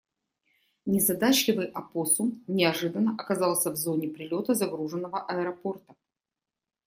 Незадачливый опоссум неожиданно оказался в зоне прилета загруженного аэропорта.